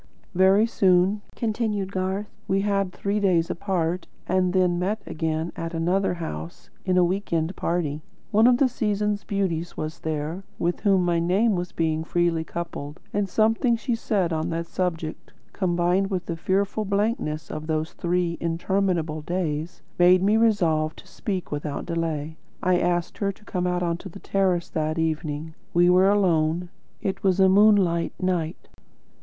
"Very soon," continued Garth, "we had three days apart, and then met again at another house, in a weekend party. One of the season's beauties was there, with whom my name was being freely coupled, and something she said on that subject, combined with the fearful blankness of those three interminable days, made me resolve to speak without delay. I asked her to come out on to the terrace that evening. We were alone. It was a moonlight night."